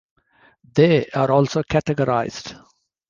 They are also categorized.